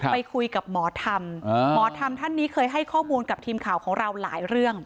ไปคุยกับหมอธรรมหมอธรรมท่านนี้เคยให้ข้อมูลกับทีมข่าวของเราหลายเรื่อง